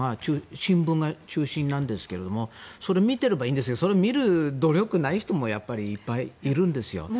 新聞が中心なんですけどそれを見ていればいいんですがそれを見る努力がない人もいっぱいいるんですよ。